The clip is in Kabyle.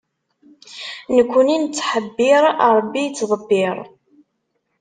Nekni nettḥebbiṛ, Ṛebbi ittḍebbir.